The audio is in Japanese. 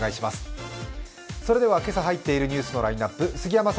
それでは今朝入っているニュースのラインナップ、杉山さん